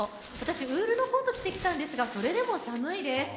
ウールのコートを着てきたんですが、それでも寒いです。